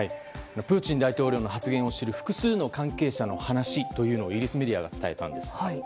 プーチン大統領の発言を知る複数の関係者の話というのをイギリスメディアが伝えたんです。